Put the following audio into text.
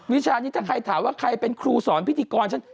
วิชานี้ถ้าใครถามว่าใครเป็นครูสอนพิธีกรฉัน